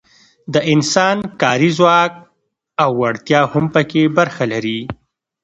د انسان کاري ځواک او وړتیا هم پکې برخه لري.